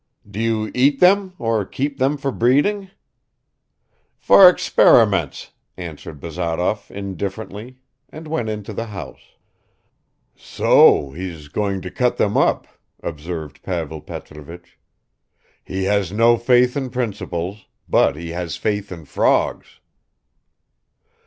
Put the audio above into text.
"Do you eat them or keep them for breeding?" "For experiments," answered Bazarov indifferently, and went into the house. "So he's going to cut them up," observed Pavel Petrovich; "he has no faith in principles, but he has faith in frogs."